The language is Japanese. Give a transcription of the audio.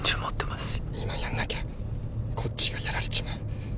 今やんなきゃこっちがやられちまう。